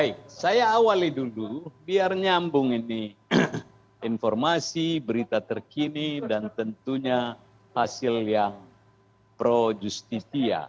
baik saya awali dulu biar nyambung ini informasi berita terkini dan tentunya hasil yang pro justisia